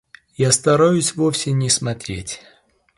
Я стараюсь вовсе не смотреть.